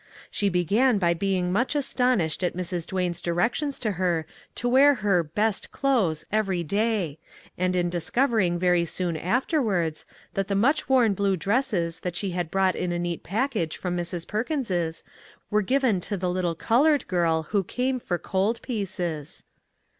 She began by being much astonished at Mrs. Duane's directions to her to wear her "best clothes " every day ; and in discovering very soon afterwards, that the much worn blue dresses that she had brought in a neat package 297 MAG AND MARGARET from Mrs. Perkins's were given to the little colored girl who came for cold pieces.